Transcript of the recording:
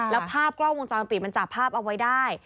แล้วภาพกล้องวงจรปิดมันจับภาพเอาไว้ได้